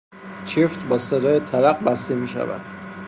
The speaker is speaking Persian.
چفت با صدای تلق بسته میشود.